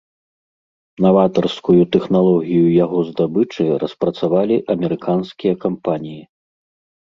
Наватарскую тэхналогію яго здабычы распрацавалі амерыканскія кампаніі.